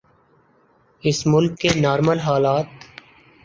اس ملک کے نارمل حالات۔